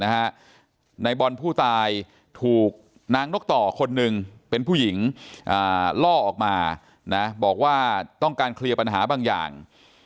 นายบอลผู้ตายถูกนางนกต่อคนหนึ่งเป็นผู้หญิงล่อออกมาบอกว่าต้องการเคลียร์ปัญหาบางอย่าง